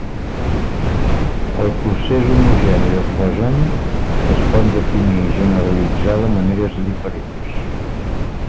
El procés homogeni de Poisson es pot definir i generalitzar de maneres diferents.